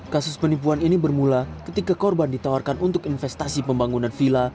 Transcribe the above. kasus penipuan ini bermula ketika korban ditawarkan untuk investasi pembangunan villa